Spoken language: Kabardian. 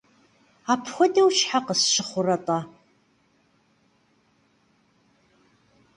Апхуэдэу щхьэ къысщыхъурэ-тӏэ?